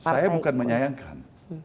saya bukan menyayangkan